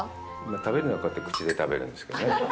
食べるのは口で食べるんですけどね。